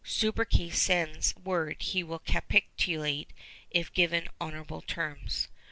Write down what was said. Subercase sends word he will capitulate if given honorable terms.